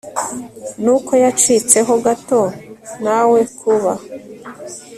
n uko yacitseho gato Nawe kuba